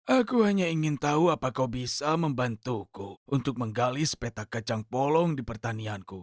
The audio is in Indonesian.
aku hanya ingin tahu apa kau bisa membantuku untuk menggali sepeta kacang polong di pertanianku